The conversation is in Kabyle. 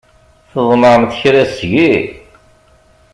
Tḍemɛemt kra seg-i?